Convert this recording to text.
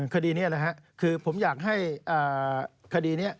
คดีนี้แหละครับคือผมอยากให้คดีนี้